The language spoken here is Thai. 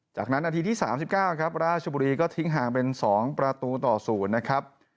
จากนั้นนาทีที่๓๙ครับราชบุรีก็ทิ้งห่างเป็น๒ประตูต่อ๐นะครับ